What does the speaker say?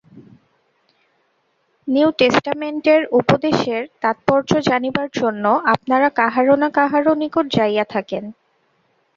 New টেষ্টামেণ্টের উপদেশের তাৎপর্য জানিবার জন্য আপনারা কাহারও না কাহারও নিকট যাইয়া থাকেন।